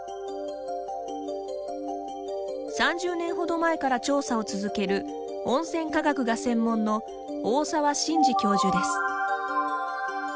３０年ほど前から調査を続ける温泉科学が専門の大沢信二教授です。